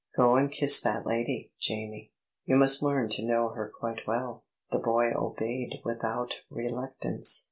Go and kiss that lady, Jamie; you must learn to know her quite well." The boy obeyed without reluctance.